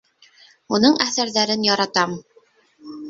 Уның әҫәрҙәрен яратам.